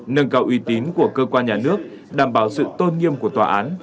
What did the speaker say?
nâng cao uy tín của cơ quan nhà nước đảm bảo sự tôn nghiêm của tòa án